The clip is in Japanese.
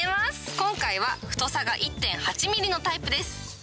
今回は太さが１．８ミリのタイプです。